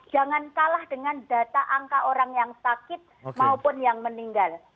jangan kalah dengan data angka orang yang sakit maupun yang meninggal